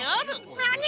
なに！？